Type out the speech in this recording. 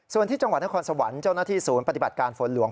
ส่วนที่จังหวัดนครสวรรค์เจ้าหน้าที่ศูนย์ปฏิบัติการฝนหลวง